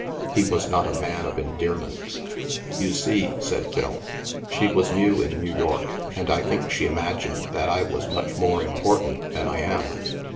He was not a man of en dearments. "You see," said Phil, "she was new in New York, and I think she imagined that I was much more important than I am.